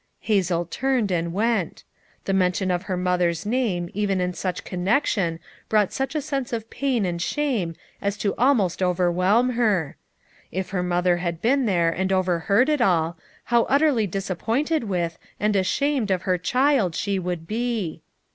Hazel turned and went The mention of her mother's name even in such connection brought such a sense of pain and shame as to almost overwhelm her. If her mother had been there and overheard it all, how utterly disappointed with, and ashamed of her child she would be!